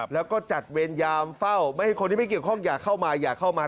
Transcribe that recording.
แล้วก็จัดเวรยามฝ้าวคนที่ไม่เกี่ยวข้องอย่าเข้ามา